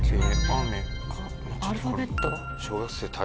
アルファベット？